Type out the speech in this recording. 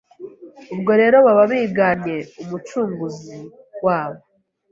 Ubwo rero baba bigannye Umucunguzi wabo,